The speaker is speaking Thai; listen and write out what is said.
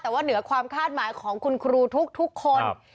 แต่ว่าเหนือความคาดหมายของคุณครูทุกคน